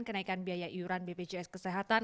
kenaikan biaya iuran bpjs kesehatan